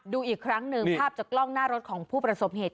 ดูอีกครั้งหนึ่งภาพจากกล้องหน้ารถของผู้ประสบเหตุ